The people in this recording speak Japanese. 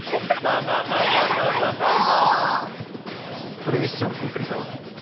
これミッションコンプリート？